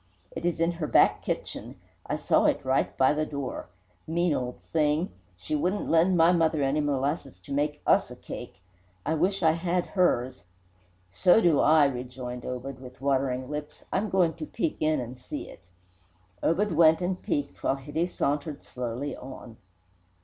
It is in her back kitchen. I saw it right by the door. Mean old thing! She wouldn't lend my mother any molasses to make us a cake. I wish I had hers!" "So do I!" rejoined Obed, with watering lips. "I'm going to peek in and see it." Obed went and "peeked," while Hitty sauntered slowly on.